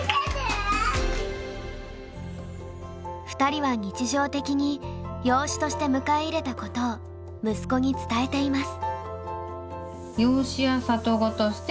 ２人は日常的に養子として迎え入れたことを息子に伝えています。